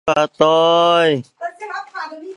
死前的女朋友苑琼丹陪伴在旁。